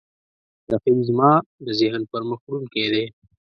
رقیب زما د ذهن پرمخ وړونکی دی